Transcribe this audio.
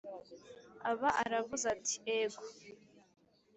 aba aravuze ati: ego!